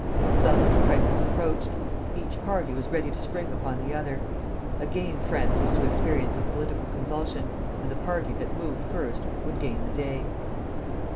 Thus the crisis approached. Each party was ready to spring upon the other. Again France was to experience a political convulsion, and the party that moved first would gain the day.